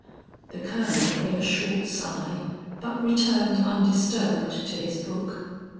The Colonel gave a short sigh but returned undisturbed to his book.